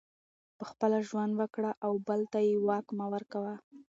پخپله ژوند وکړه او بل ته یې واک مه ورکوه